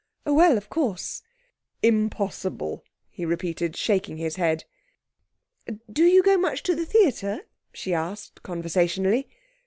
'Oh well, of course ' 'Impossible,' he repeated, shaking his head. 'Do you go much to the theatre?' she asked conversationally.